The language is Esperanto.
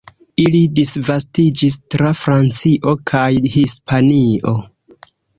Ili disvastiĝis tra Francio kaj Hispanio.